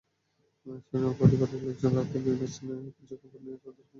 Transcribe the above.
পরিবারের লোকজন রাতে বিভিন্ন স্থানে খোঁজখবর করেও তাঁর কোনো সন্ধান পাননি।